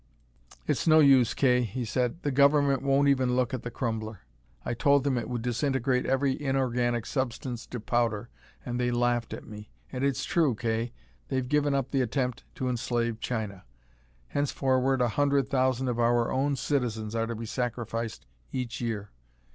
"It's no use, Kay," he said. "The Government won't even look at the Crumbler. I told them it would disintegrate every inorganic substance to powder, and they laughed at me. And it's true, Kay: they've given up the attempt to enslave China. Henceforward a hundred thousand of our own citizens are to be sacrificed each year.